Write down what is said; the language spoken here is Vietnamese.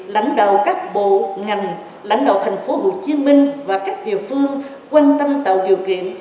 lãnh đạo các bộ ngành lãnh đạo thành phố hồ chí minh và các địa phương quan tâm tạo điều kiện